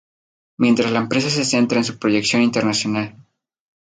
Mientras la empresa se centra en su proyección internacional.